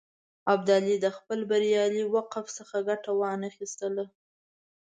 ابدالي د خپل بریالي موقف څخه ګټه وانه خیستله.